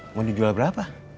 mau dijual berapa